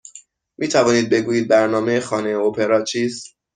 می توانید بگویید برنامه خانه اپرا چیست؟